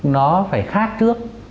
nó phải khác trước